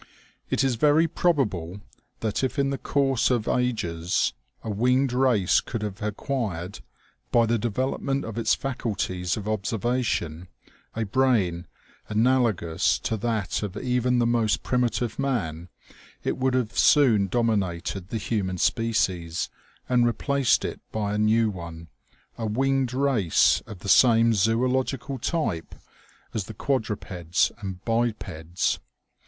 It is very probable that if in the course of ages a winged race could have acquired, by the develop ment of its faculties of observation, a brain analogous to that of even the most primitive man, it would have soon dominated the human species and replaced it by a new one, a winged race of the same zoological type as the OMEGA . 201 quadrupeds and bipeds.